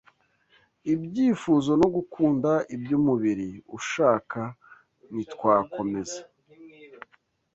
ibyifuzo no gukunda iby’umubiri ushaka ntitwakomeza